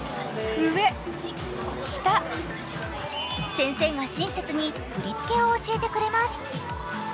先生が親切に振り付けを教えてくれます。